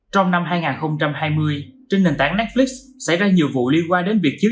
trong năm hai nghìn hai mươi trên nền tảng netflix xảy ra nhiều vụ liên quan đến việc chiếu